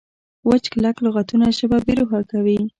وچ کلک لغتونه ژبه بې روحه کوي.